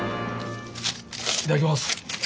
いただきます。